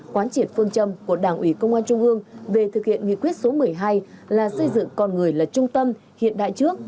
quán triệt phương châm của đảng ủy công an trung ương về thực hiện nghị quyết số một mươi hai là xây dựng con người là trung tâm hiện đại trước